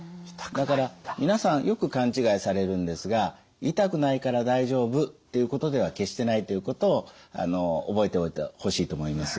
だから皆さんよく勘違いされるんですが「痛くないから大丈夫」っていうことでは決してないということを覚えておいてほしいと思います。